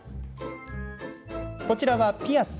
こちらはピアス。